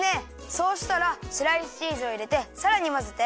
そうしたらスライスチーズをいれてさらにまぜて。